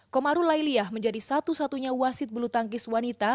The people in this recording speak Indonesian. komarulai leah menjadi satu satunya wasit bulu tangkis wanita